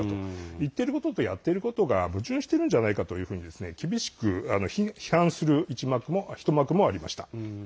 言っていることとやってることが矛盾しているじゃないかと厳しく批判する一幕もありました。